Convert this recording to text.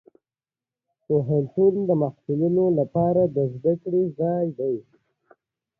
ازادي راډیو د د بشري حقونو نقض په اړه د پېښو رپوټونه ورکړي.